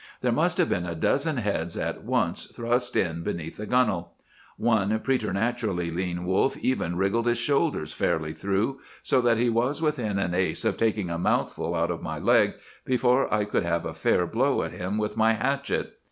There must have been a dozen heads at once thrust in beneath the gunwale. One preternaturally lean wolf even wriggled his shoulders fairly through, so that he was within an ace of taking a mouthful out of my leg before I could have a fair blow at him with my hatchet.